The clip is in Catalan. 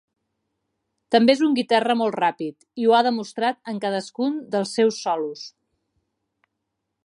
També és un guitarrista molt ràpid i ho ha demostrat en cadascun dels seus solos.